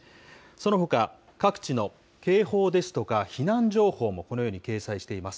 そのほか、各地の警報ですとか、避難情報もこのように掲載しています。